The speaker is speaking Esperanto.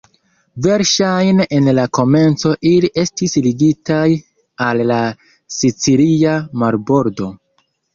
Verŝajne en la komenco ili estis ligitaj al la sicilia marbordo.